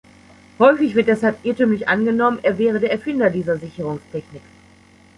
Häufig wird deshalb irrtümlich angenommen, er wäre der Erfinder dieser Sicherungstechnik.